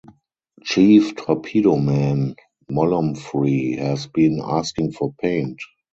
Chief Torpedoman Molumphry has been asking for paint.